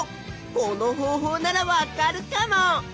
この方法ならわかるかも！